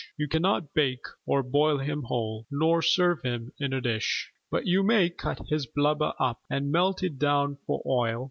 You cannot bake or boil him whole Nor serve him in a dish; But you may cut his blubber up And melt it down for oil.